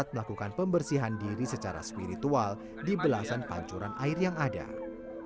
atif memiliki negara sudah melakukan suatu ujian di suatu heaven and the devil yang delirus